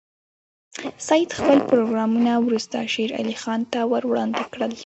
سید خپل پروګرامونه وروسته شېر علي خان ته وړاندې کړل.